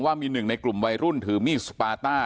มีหนึ่งในกลุ่มวัยรุ่นถือมีดสปาต้า